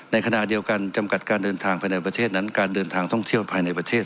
ในขณะเดียวกันจำกัดการเดินทางภายในประเทศนั้นการเดินทางท่องเที่ยวภายในประเทศ